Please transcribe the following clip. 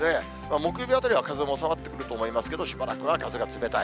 木曜日あたりは風も収まってくると思いますけれども、しばらくは風が冷たい。